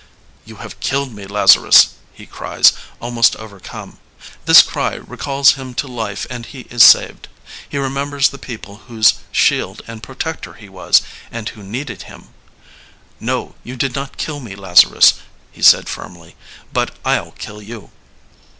You have killed me, Lazarus/ '* he cries, almost overcome. This cry recalls him to life and he is saved. He remembers the people whose shield and protector he was and who needed him. No, you did not kill me, Lazarus/ he said, firmly; ^but I'll kill you.